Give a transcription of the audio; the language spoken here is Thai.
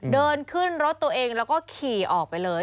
เดินขึ้นรถตัวเองแล้วก็ขี่ออกไปเลย